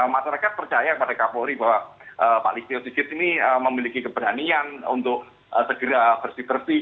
masyarakat percaya pada kapolri bahwa pak listio sigit ini memiliki keberanian untuk segera bersih bersih